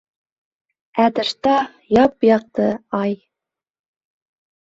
Ә тышта... яп-яҡты ай!